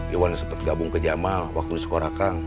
iwan sempat gabung ke jamal waktu di sekolah kang